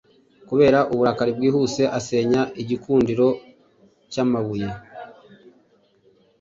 kubera uburakari bwihuseasenya igikundiro cyamabuye